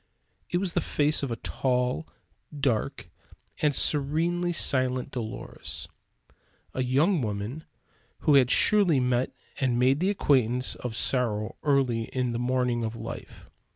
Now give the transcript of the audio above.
It was the face of a tall, dark, and serenely silent Dolores; a young woman who had surely met and made the acquaintance of sorrow early in the morning of life.